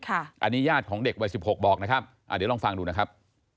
อันนี้ญาติของเด็กวัย๑๖บอกนะครับเดี๋ยวลองฟังดูนะครับ